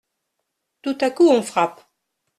Tout à coup on frappe.